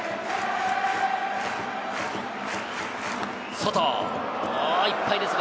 外いっぱいですね。